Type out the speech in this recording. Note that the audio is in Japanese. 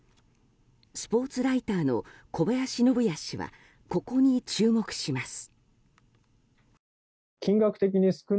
スポーツライターの小林信也氏はここに注目します。